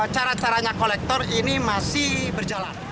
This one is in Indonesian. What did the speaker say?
cara caranya kolektor ini masih berjalan